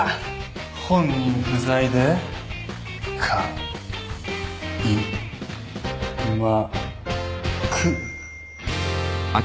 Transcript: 本人不在でか・い・ま・く。